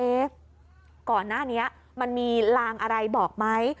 ก่อนหน้านี้มันมีลางอะไรบอกไหม